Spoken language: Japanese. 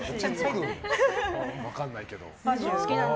分かんないけど。